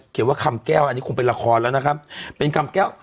ว่าคำแก้วอันนี้คงเป็นละครแล้วนะครับเป็นคำแก้ว